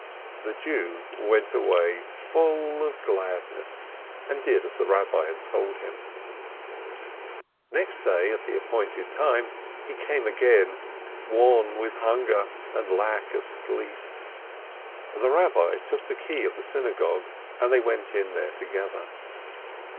The Jew went away full of gladness, and did as the Eabbi had told him. Next day, at the appointed time, he came again, wan with hunger and lack of sleep. The Eabbi took the key of the synagogue, and they went in there together.